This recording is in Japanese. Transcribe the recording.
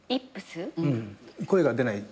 声が出ない。